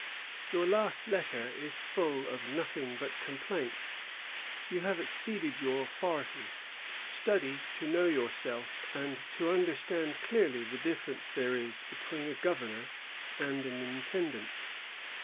" Your last letter is full of noth ing but complaints." "You have exceeded your authority." "Study to know yourself, and to under stand clearly the difference there is between a gov ernor and an intendant."